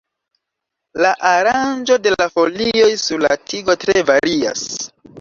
La aranĝo de la folioj sur la tigo tre varias.